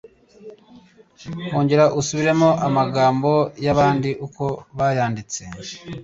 Ongera usubiremo amagambo yabandi uko bayanditse